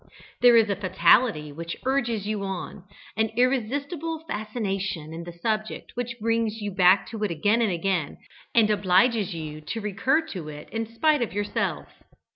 There is a fatality which urges you on an irresistible fascination in the subject which brings you back to it again and again, and obliges you to recur to it in spite of yourself.